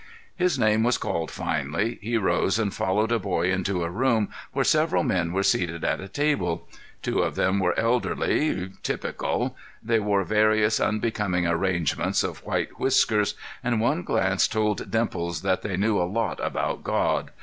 His name was called finally; he rose and followed a boy into a room where several men were seated at a table. Two of them were elderly, typical; they wore various unbecoming arrangements of white whiskers, and one glance told Dimples that they knew a lot about God.